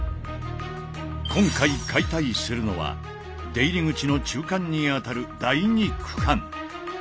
今回解体するのは出入り口の中間にあたる第２区間。